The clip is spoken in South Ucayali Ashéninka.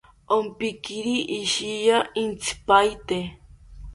Ompiquiri ishiya entzipaete